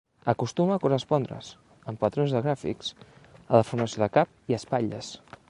Acostuma a correspondre's, en patrons de gràfics, a la formació de Cap i espatlles.